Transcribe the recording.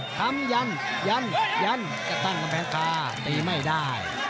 ทำยันยันยันจะตั้งกำแพงคาตีไม่ได้